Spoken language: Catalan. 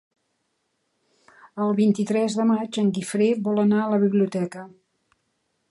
El vint-i-tres de maig en Guifré vol anar a la biblioteca.